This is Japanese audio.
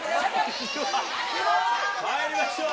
まいりましょう。